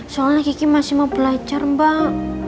soalnya kiki masih mau belajar mbak